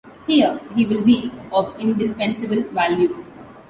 Here, he will be of indispensable value.